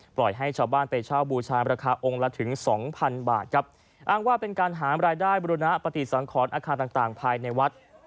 ปล่อยให้ชาวบ้านไปเช่าบูชาราคาองค์ละถึงสองพันบาทครับอ้างว่าเป็นการหารายได้บุรณปฏิสังขรอาคารต่างต่างภายในวัด